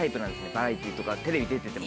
バラエティーとかテレビ出てても。